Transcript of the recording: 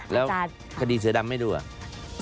แล้วคดีเสือดำไม่ดูอ่ะ